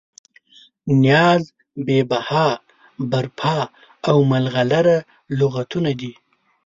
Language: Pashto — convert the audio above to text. نیاز، بې بها، برپا او ملغلره لغتونه دي.